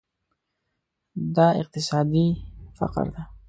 دا اقتصادي فقر ده.